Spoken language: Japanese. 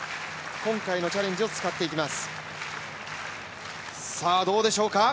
今回のチャレンジを使っていきます、どうでしょうか。